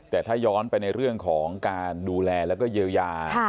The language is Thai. แต่ถ้าย้อนไปในเรื่องของการดูแลแล้วก็เยียวยา